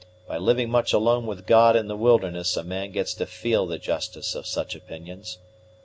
By living much alone with God in the wilderness a man gets to feel the justice of such opinions.